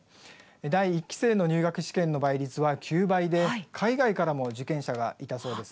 第１期生の入学試験の倍率は９倍で海外からも受験者がいたそうです。